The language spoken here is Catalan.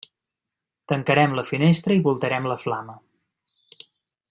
Tancarem la finestra i voltarem la flama.